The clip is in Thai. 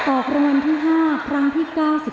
ออกรมณ์ที่๕ครั้งที่๙๙